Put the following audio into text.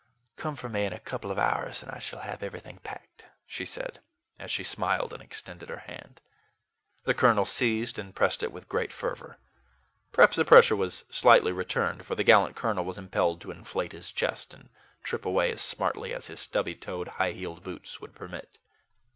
"Come for me in a couple of hours, and I shall have everything packed," she said, as she smiled, and extended her hand. The colonel seized and pressed it with great fervor. Perhaps the pressure was slightly returned; for the gallant colonel was impelled to inflate his chest, and trip away as smartly as his stubby toed, high heeled boots would permit.